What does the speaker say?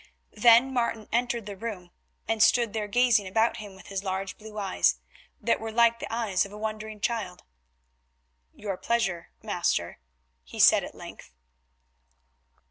Then Martin entered the room, and stood there gazing about him with his large blue eyes, that were like the eyes of a wondering child. "Your pleasure, master," he said at length.